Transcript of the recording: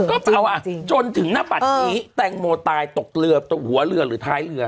ก็เอาอ่ะจนถึงหน้าปัดนี้แตงโมตายตกเรือหัวเรือหรือท้ายเรือ